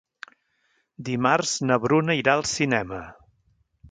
Dimarts na Bruna irà al cinema.